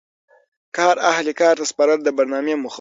کار اهل کار ته سپارل د برنامې موخه دي.